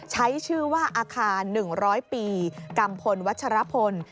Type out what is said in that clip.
ใช้ชื่อว่าอาคาร๑๐๐ปีกัมพลวัชรพล